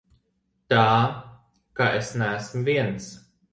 Tā ka es neesmu viens.